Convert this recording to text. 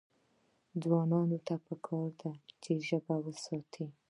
ځوانانو ته پکار ده چې، ژبه وساتي.